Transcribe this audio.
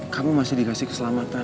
kamu masih dikasih keselamatan